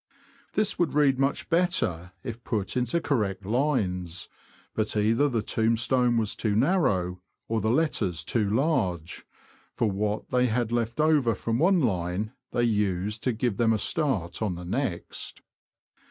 This would read much better if put into correct lines ; but either the tombstone was too narrow, or the letters too large, for what they had left over from one line they used to give them a start on the next.